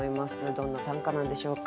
どんな短歌なんでしょうか。